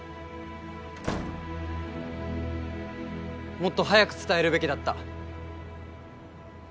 もっと早く伝えるべきだった。